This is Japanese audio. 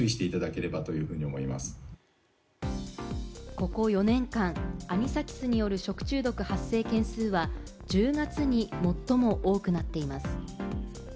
ここ４年間、アニサキスによる食中毒発生件数は１０月に最も多くなっています。